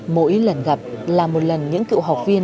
mỗi lần gặp là một lần những cựu học viên